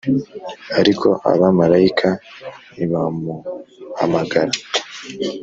ariko abamarayika nibamuhamagara,